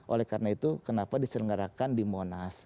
oleh karena itu kenapa diselenggarakan di monas